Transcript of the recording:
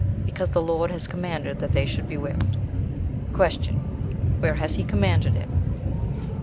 'Because the Lord has commanded that they should be whipped.' "Q. Where has He commanded it?